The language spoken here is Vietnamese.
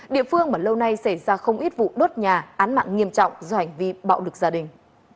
địa phương mà lâu nay xảy ra không ít vụ đốt nhà án mạng nghiêm trọng do hành vi bạo lực gia đình